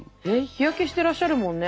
日焼けしてらっしゃるもんね